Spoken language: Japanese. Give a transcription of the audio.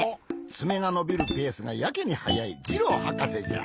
つめがのびるペースがやけにはやいジローはかせじゃ。